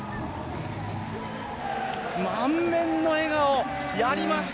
満面の笑顔、やりました！